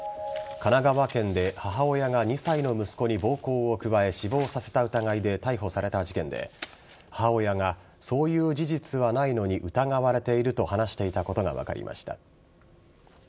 神奈川県で母親が２歳の息子に暴行を加え死亡させた疑いで逮捕された事件で母親がそういう事実はないのに疑われていると話していたことが分かりました。